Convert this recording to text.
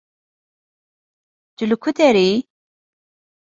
Tu li ku derê yî?